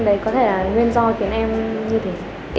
đấy có thể là nguyên do khiến em như thế